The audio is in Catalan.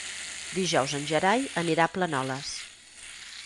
Dijous en Gerai anirà a Planoles.